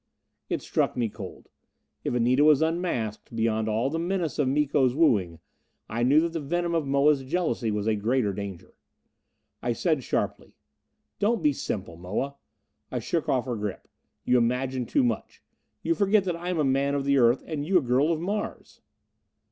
It struck me cold. If Anita was unmasked, beyond all the menace of Miko's wooing, I knew that the venom of Moa's jealousy was a greater danger. I said sharply, "Don't be simple, Moa!" I shook off her grip. "You imagine too much. You forget that I am a man of the Earth and you a girl of Mars."